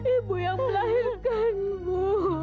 ibu yang melahirkanmu